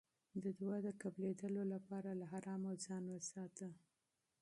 د دعا د قبلېدو لپاره له حرامو ځان وساته.